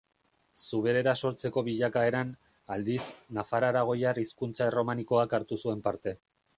Zuberera sortzeko bilakaeran, aldiz, nafar-aragoiar hizkuntza erromanikoak hartu zuen parte.